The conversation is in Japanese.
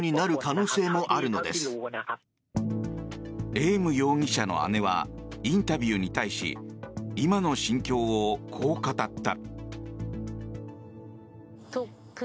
エーム容疑者の姉はインタビューに対し今の心境をこう語った。